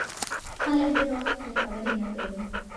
خلک ډېر وخت پرې خبرې نه کوي.